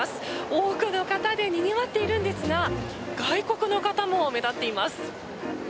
多くの方でにぎわっているんですが外国の方も目立っています。